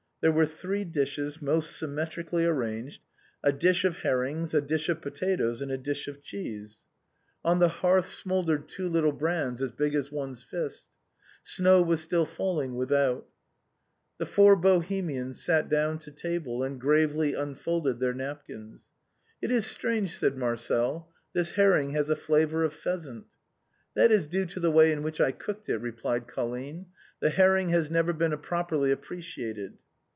There were three dishes most symmetrically arranged — a dish of her rings, a dish of potatoes, and a dish of cheese. 272 THE BOHEMIANS OF THE LATIN QUARTER. On the hearth smouldered two little brands as big as one's fist. Snow was still falling without. The four Bohemians sat down to table and gravely un folded their napkins. " It is strange," said Marcel, " this herring has a flavor of pheasant." "That is due to the way in which I cooked it," replied Colline; " the herring has never been properly appreciated."